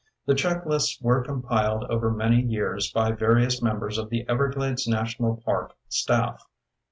The checklists were compiled over many years by various members of the Everglades National Park staff.